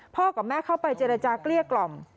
กับแม่เข้าไปเจรจาเกลี้ยกล่อม